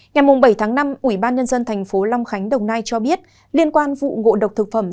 ngày bảy tháng năm ủy ban nhân dân thành phố long khánh đồng nai cho biết liên quan vụ ngộ độc thực phẩm